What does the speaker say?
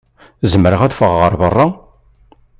Zemreɣ ad ffɣeɣ ɣer beṛṛa?